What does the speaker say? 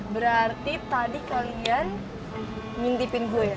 berarti tadi kalian ngintipin gua ya